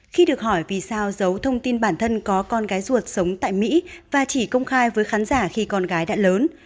khi được hỏi vì sao giấu thông tin bản thân có con gái ruột sống tại mỹ và chỉ công khai với khán giả khi con gái đã lớn